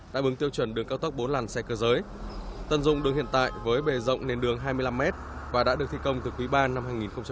đại bứng tiêu chuẩn đường cao tốc bốn lằn xe cơ giới tân dụng đường hiện tại với bề rộng nền đường hai mươi năm m và đã được thi công từ quý ban năm hai nghìn một mươi bốn